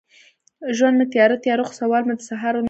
ژوند مې تیاره، تیاره، خو سوال مې د سهار ونه کړ